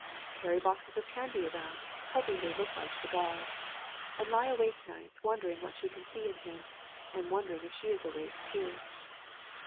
carry boxes of candy around, hoping they look like cigars; and lie awake nights wondering what she can see in him, and wondering if she is awake too.